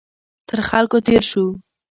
تر خلکو تېر شو.